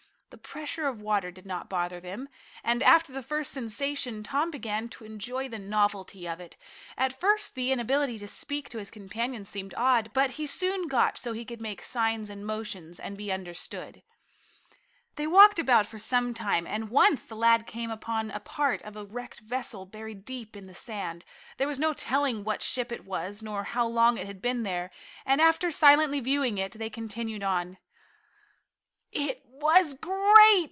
The pressure of water did not bother them, and after the first sensation Tom began to enjoy the novelty of it. At first the inability to speak to his companions seemed odd, but he soon got so he could make signs and motions, and be understood. They walked about for some time, and once the lad came upon a part of a wrecked vessel buried deep in the sand. There was no telling what ship it was, nor how long it had been there, and after silently viewing it, they continued on. "It was great!"